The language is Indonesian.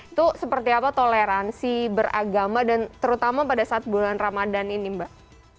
itu seperti apa toleransi beragama dan terutama pada saat bulan ramadan ini mbak